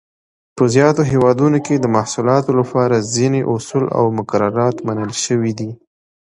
په زیاتو هېوادونو کې د محصولاتو لپاره ځینې اصول او مقررات منل شوي دي.